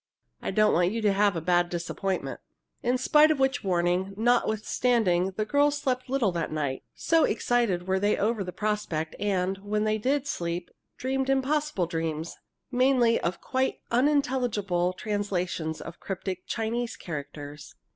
I don't want you to have a bad disappointment." In spite of which warning, notwithstanding, the girls slept little that night, so excited were they over the prospect, and, when they did sleep, dreamed impossible dreams mainly of quite unintelligible translations of cryptic Chinese characters.